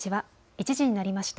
１時になりました。